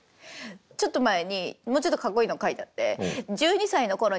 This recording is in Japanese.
ちょっと前にもうちょっとかっこいいの書いてあって「１２歳の頃にジャズシンガーを志し」。